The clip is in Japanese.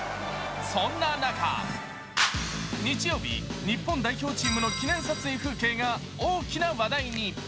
そんな中、日曜日、日本代表チームの記念撮影風景が大きな話題に。